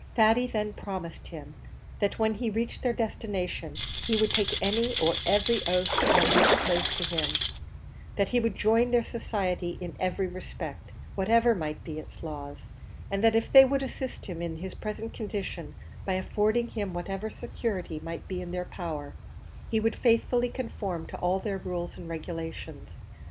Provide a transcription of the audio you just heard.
Thady then promised him, that when he reached their destination, he would take any or every oath that might be proposed to him; that he would join their society in every respect, whatever might be its laws, and that if they would assist him in his present condition by affording him whatever security might be in their power, he would faithfully conform to all their rules and regulations.